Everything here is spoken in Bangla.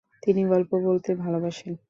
তিনি গল্প বলতে ভালবাসেন।